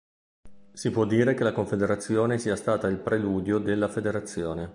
Si può dire che la confederazione sia stata il "preludio" della "federazione".